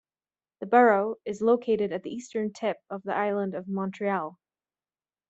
The borough is located at the eastern tip of the Island of Montreal.